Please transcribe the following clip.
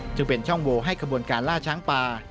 จึงเป็นช่องโวให้ขบวนการล่าช้างป่า